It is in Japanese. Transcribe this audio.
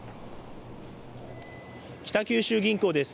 北九州銀行です。